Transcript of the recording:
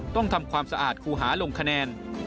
ต้องทำความสะอาดครูหาลงคะแนน